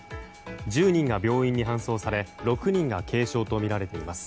１０人が病院に搬送され６人が軽傷とみられています。